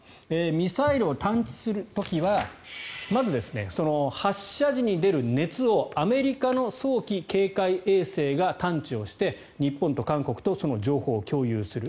ミサイルを探知する時はまず、発射時に出る熱をアメリカの早期警戒衛星が探知をして、日本と韓国とその情報を共有する。